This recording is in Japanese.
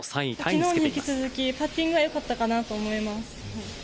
昨日に引き続きパッティングはよかったかなと思います。